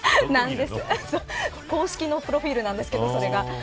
公式のプロフィルなんですけどそれが。